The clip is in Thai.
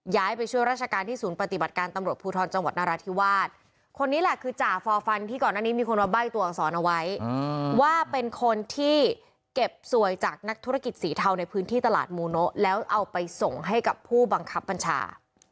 ไปช่วยราชการที่ศูนย์ปฏิบัติการตำรวจภูทรจังหวัดนราธิวาสคนนี้แหละคือจ่าฟอร์ฟันที่ก่อนหน้านี้มีคนมาใบ้ตัวอักษรเอาไว้ว่าเป็นคนที่เก็บสวยจากนักธุรกิจสีเทาในพื้นที่ตลาดมูโนะแล้วเอาไปส่งให้กับผู้บังคับบัญชา